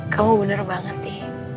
kamu bener banget di